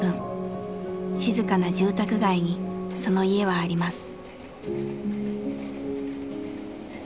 静かな住宅街にその家はあります。